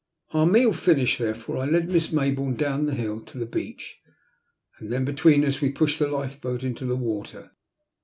Our meal finished there fore, I led Miss Mayboume down the hill to the beach, and then between us we pushed the lifeboat into the water.